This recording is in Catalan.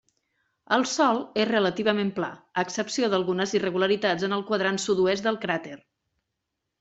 El sòl és relativament pla, a excepció d'algunes irregularitats en el quadrant sud-oest del cràter.